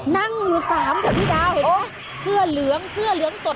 นั่งอยู่สามค่ะพี่ดาวเห็นไหมเสื้อเหลืองเสื้อเหลืองสด